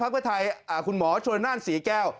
พักเพื่อไทยคุณหมอโชนานสีแก้ว